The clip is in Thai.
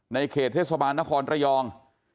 เขตเทศบาลนครระยอง